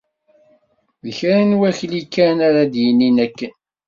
D kra n wakli kan ara d-yinin akken.